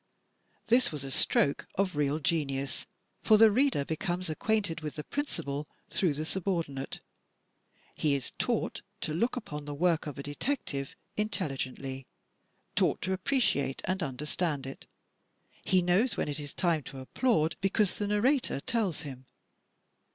This was a stroke of real genius, for the reader becomes acquainted with the principal through the subordinate. He is taught to look upon the work of a detective intelligently; taught to appreciate and understand it. He knows when it is time to applaud, because the narrator tells him.